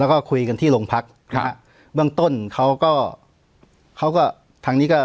แล้วก็คุยกันที่โรงพักนะฮะเบื้องต้นเขาก็เขาก็ทางนี้ก็